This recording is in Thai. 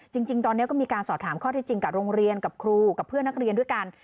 จริงตอนนี้ก็มีการสอบถามข้อที่จริงกับโรงเรียนกับครูกับเพื่อนนักเรียนด้วยกัน